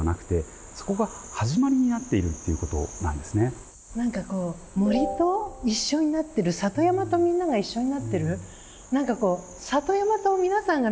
つまり何かこう森と一緒になってる里山とみんなが一緒になってる。